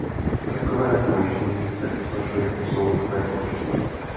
Takové pojištění se označuje jako "soukromé pojištění".